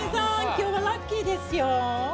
今日はラッキーですよ！